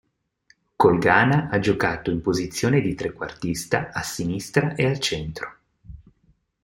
Col Ghana ha giocato in posizione di trequartista a sinistra e al centro.